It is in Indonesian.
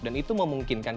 dan itu memungkinkan kita